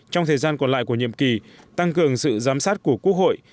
trong thời gian còn lại của nhiệm kỳ tăng cường sự giám sát của quốc hội